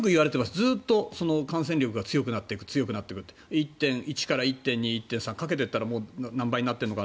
ずっと感染力が強くなっていくって１．１から１．２、１．３って掛けていったら何倍になっているのか。